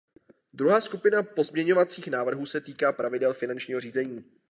Druhá skupina pozměňovacích návrhů se týká pravidel finančního řízení.